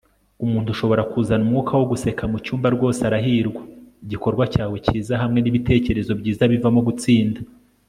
umuntu ushobora kuzana umwuka wo guseka mucyumba rwose arahirwa. igikorwa cyawe cyiza hamwe nibitekerezo byiza bivamo gutsinda